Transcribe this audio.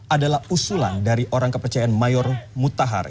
adalah usulan dari orang kepercayaan mayor mutahar